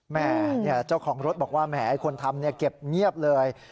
แม่เจ้าของรถบอกว่าแหมคนทำเก็บเงียบเลย